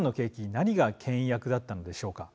何がけん引役だったのでしょうか。